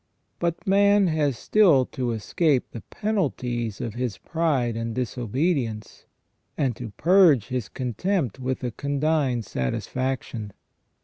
But man has still to escape the penalties of his pride and dis obedience, and to purge his contempt with a condign satisfaction.